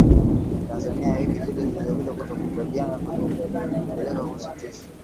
Tanzania wiki mbili zilizopita kutokukubaliana kulipelekea kusitishwa kwa